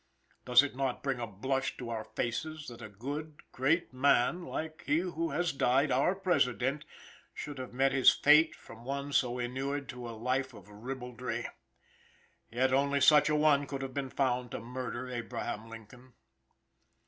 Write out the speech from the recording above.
Does it not bring a blush to our faces that a good, great man, like he who has died our President should have met his fate from one so inured to a life of ribaldry? Yet, only such an one could have been found to murder Abraham Lincoln.